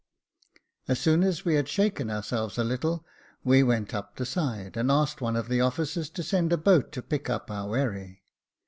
As soor. as we had shaken ourselves a little, we went up the side, and asked one of the officers to send a boat to pick up our wherry.